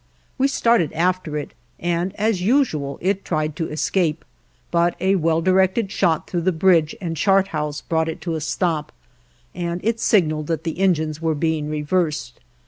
We started after it, and as usual it tried to escape, but a well directed shot through the bridge and chart house brought it to a stop, and it signaled that the engines were being reversed.